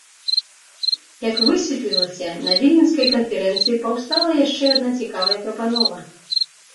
Як высветлілася, на віленскай канферэнцыі паўстала яшчэ адна цікавая прапанова.